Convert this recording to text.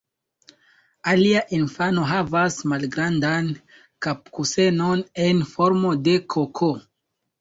Alia infano havas malgrandan kapkusenon en formo de koko.